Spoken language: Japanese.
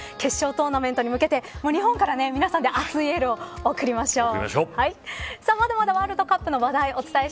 決勝トーナメントに向けて日本から皆さんで熱いエールを送りましょう。